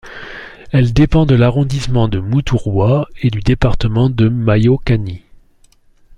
Elle dépend de l'arrondissement de Moutourwa et du département de Mayo-Kani.